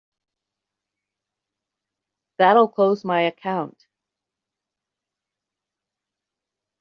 That'll close my account.